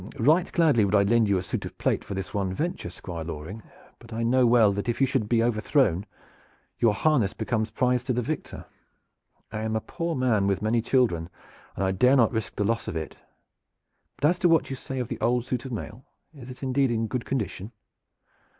"Right gladly would I lend you a suit of plate for this one venture, Squire Loring, but I know well that if you should be overthrown your harness becomes prize to the victor. I am a poor man with many children, and I dare not risk the loss of it. But as to what you say of the old suit of mail, is it indeed in good condition?"